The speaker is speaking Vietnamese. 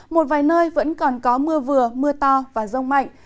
một vài nơi vẫn còn có mưa vừa mưa to và rông mạnh